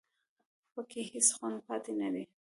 په کې هېڅ خوند پاتې نه دی